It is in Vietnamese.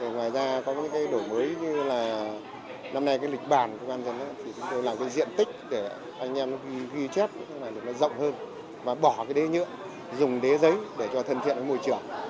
ngoài ra có những đổi mới như là năm nay lịch bản công an nhân dân chúng tôi làm diện tích để anh em ghi chép dọng hơn và bỏ đế nhựa dùng đế giấy để cho thân thiện môi trường